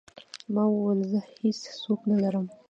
ما وويل زه هېڅ څوک نه لرم.